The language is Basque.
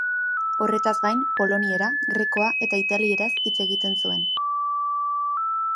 Horretaz gain poloniera, grekoa eta italieraz hitz egiten zuen.